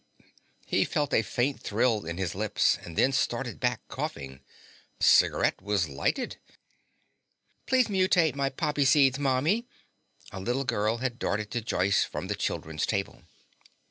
He felt a faint thrill in his lips and then started back, coughing. The cigaret was lighted. "Please mutate my poppy seeds, Mommy." A little girl had darted to Joyce from the children's table.